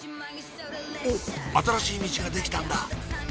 おっ新しいミチが出来たんだ！